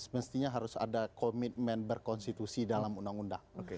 mestinya harus ada komitmen berkonstitusi dalam undang undang